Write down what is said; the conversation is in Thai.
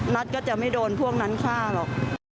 นัทก็จะไม่โดนพวกนั้นฆ่าหรอก